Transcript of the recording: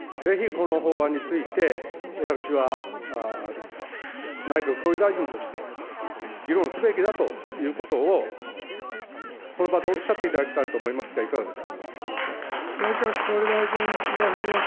ぜひ、この法案について、私は、内閣総理大臣として、議論すべきだということをこの場でおっしゃっていただきたいと思いますが、いかがですか。